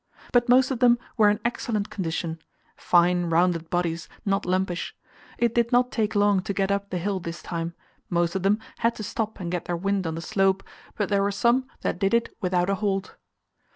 But most of them were in excellent condition fine, rounded bodies, not lumpish. It did not take long to get up the hill this time; most of them had to stop and get their wind on the slope, but there were some that did it without a halt.